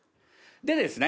でですね